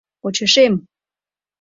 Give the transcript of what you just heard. — Почешем!